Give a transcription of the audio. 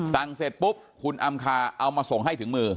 เสร็จปุ๊บคุณอำคาเอามาส่งให้ถึงมือ